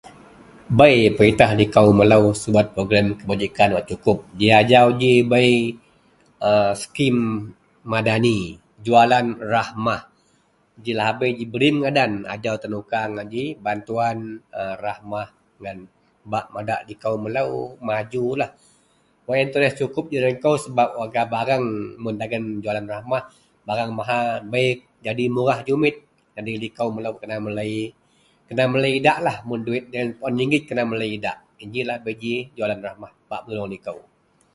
Bei peritah likou melou subet program kebajikan wak sukup, ji ajau ji bei skim MADANI jualan RAHMAH ji lahabei ji BRIM ngadan tenukar ngak ji bantuan RAHMAH ngan bak madak likou melou majulah wak yen tuneh sukuplah ji den kou sebap rega bareng mun dagen jualan RAHMAH bareng mahal bei jadi murah jumik kali likou melou kena melei idak lah mun duwit yen peluen rigit kena melei idak yen ji lah bei ji jualan RAHMAH bak melou likou